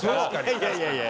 いやいやいやいや。